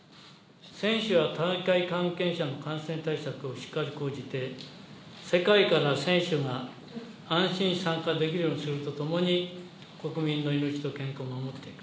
選手や大会関係者の感染対策をしっかり講じて、世界から選手が安心して参加できるようにするとともに、国民の命の健康を守っていく。